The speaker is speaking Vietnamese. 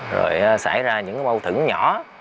rồi xảy ra những cái bâu thử nhỏ